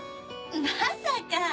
まさか！